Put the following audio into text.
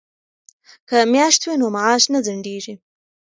که میاشت وي نو معاش نه ځنډیږي.